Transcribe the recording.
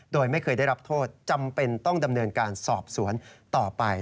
โดยไม่เคยได้รับโทษจำเป็นต้องดำเนินการสอบสวนต่อไป